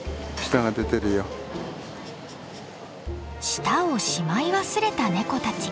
舌をしまい忘れたネコたち。